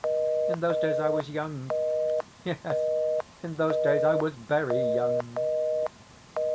In those days I was young. Yes, in those days I was VERY young.